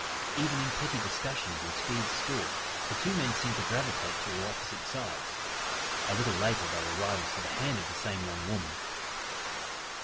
Even in petty discussions in Speed's store, the two men seemed to gravitate to opposite sides. A little later they were rivals for the hand of the same young woman.